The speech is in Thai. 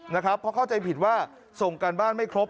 นะครับเพราะเข้าใจผิดว่าส่งการบ้านไม่ครบ